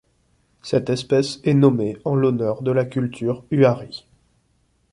Cette espèce est nommée en l'honneur de la culture Huari.